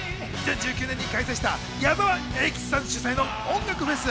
２０１９年に開催した、矢沢永吉さん主催の音楽フェス。